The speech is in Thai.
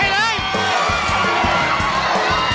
เร็ว